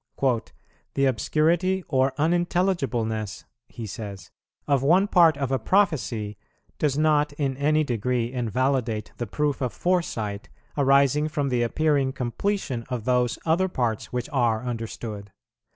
"The obscurity or unintelligibleness," he says, "of one part of a prophecy does not in any degree invalidate the proof of foresight, arising from the appearing completion of those other parts which are understood.